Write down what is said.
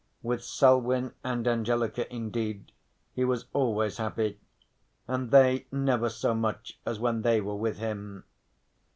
With Selwyn and Angelica indeed he was always happy; and they never so much as when they were with him.